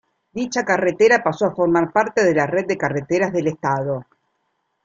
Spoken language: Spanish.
Dicha carretera pasó a formar parte de la red de carreteras del Estado.